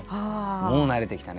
もう慣れてきたね